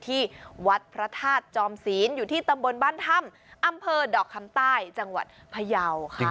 ที่วัดพระธาตุจอมศีลอยู่ที่ตำบลบ้านถ้ำอำเภอดอกคำใต้จังหวัดพยาวค่ะ